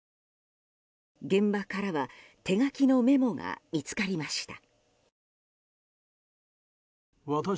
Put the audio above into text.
現場からは手書きのメモが見つかりました。